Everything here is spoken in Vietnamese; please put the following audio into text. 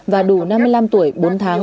và đủ năm mươi năm tuổi bốn tháng